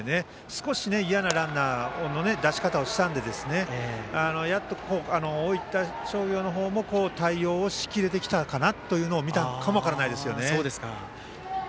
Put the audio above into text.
少し嫌なランナーの出し方をしたので大分商業の方も対応をしきれてきたのかなと見たかも分からないですね。